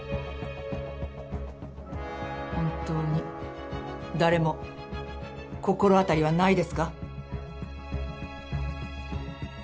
本当に誰も心当たりはないですか？